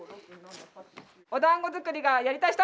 おだんご作りがやりたい人！